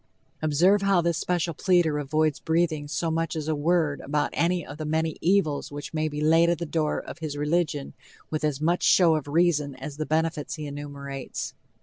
Observe how this special pleader avoids breathing so much as a word about any of the many evils which may be laid at the door of his religion with as much show of reason as the benefits he enumerates.